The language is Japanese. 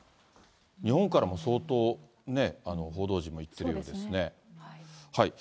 日本からも相当ね、報道陣も行ってるようですね。